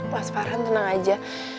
mas farhan tenang aja